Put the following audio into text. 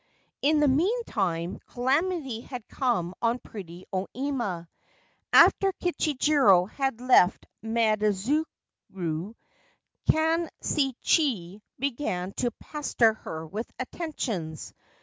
In the meantime calamity had come on pretty O Ima. After Kichijiro had left Maidzuru, Kanshichi began to pester her with attentions.